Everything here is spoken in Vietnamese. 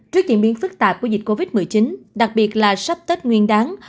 trước diễn biến phức tạp của dịch covid một mươi chín đặc biệt là sắp tết nguyên đáng